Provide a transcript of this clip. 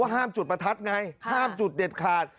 ห้ามจุดประทัดไงห้ามจุดเด็ดขาด